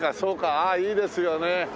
ああいいですよね。